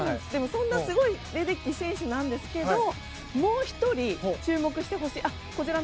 そんなすごいレデッキー選手ですけどもう１人、注目してほしい。